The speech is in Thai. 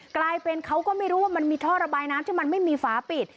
กลายเป็นเขาก็ไม่รู้ว่ามันมีท่อระบายน้ำที่มันไม่มีฝาปิด